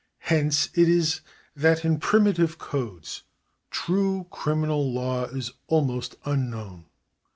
Hence it is, that in primitive codes true criminal law is almost unknown.